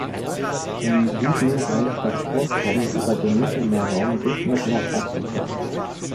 Im Süden reicht das Vorkommen über den Mittelmeerraum bis nach Nordafrika.